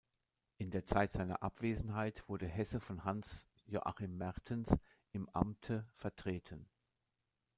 In der Zeit seiner Abwesenheit wurde Hesse von Hans-Joachim Mertens im Amte vertreten.